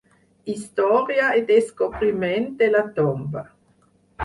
Història i descobriment de la tomba.